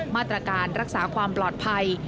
มาตรการรักษาความปลอดภัย